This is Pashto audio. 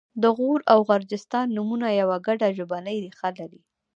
د غور او غرجستان نومونه یوه ګډه ژبنۍ ریښه لري